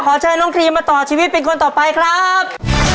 เชิญน้องครีมมาต่อชีวิตเป็นคนต่อไปครับ